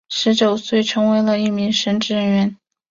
十九岁时成为了一名神职人员。